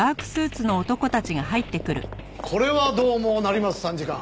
これはどうも成増参事官。